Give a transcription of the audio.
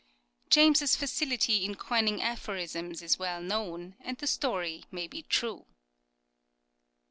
James's facility in coining aphorisms is well known, and the story may be true.